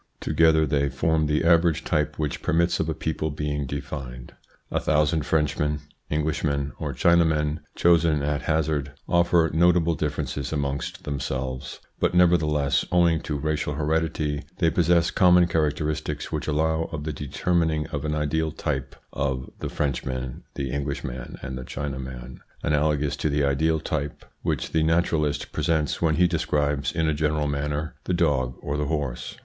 Together ITS INFLUENCE ON THEIR EVOLUTION ^ they form the average type which permits of a people being defined. A thousand Frenchmen, Englishmen, or Chinamen, chosen at hazard, offer notable differ ences amongst themselves, but nevertheless, owing to racial heredity, they possess common characteristics which allow of the determining of an ideal type of the Frenchman, the Englishman, and the Chinaman analogous to the ideal type which the naturalist pre sents when he describes in a general manner the dog or the horse.